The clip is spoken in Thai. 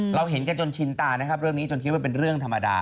เราเห็นกันจนชินตานะครับเรื่องนี้จนคิดว่าเป็นเรื่องธรรมดา